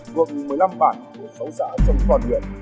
thuộc một mươi năm bản của sáu xã trong toàn huyện